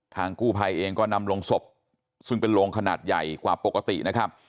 กู้ภัยเองก็นำลงศพซึ่งเป็นโรงขนาดใหญ่กว่าปกตินะครับ